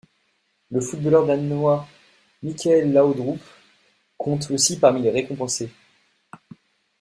Le footballeur danois Michael Laudrup compte aussi parmi les récompensés.